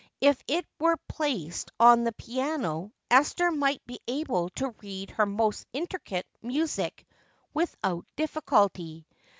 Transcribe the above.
If it were placed on the piano Esther might be able to read her most intricate music without difficulty.